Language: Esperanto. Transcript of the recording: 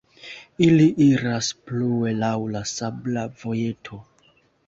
Ili iras plue laŭ la sabla vojeto.